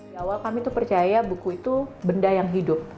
di awal kami itu percaya buku itu benda yang hidup